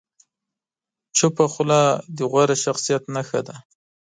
چپه خوله، د غوره شخصیت نښه ده.